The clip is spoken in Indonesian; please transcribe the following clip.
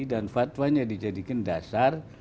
dan fatwanya dijadikan dasar